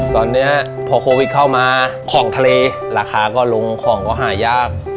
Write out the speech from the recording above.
ตอนนี้พอโควิดเข้ามาของทะเลราคาก็ลงของก็หายาก